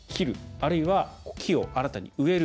あるいは木を新たに植える。